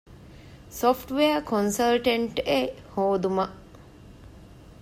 ސޮފްޓްވެއަރ ކޮންސަލްޓެންޓް އެއް ހޯދުމަށް